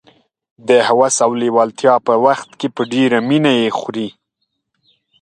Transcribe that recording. د هوس او لېوالتیا په وخت کې په ډېره مینه یې خوري.